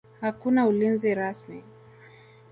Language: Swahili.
Hakuna ulinzi rasmi.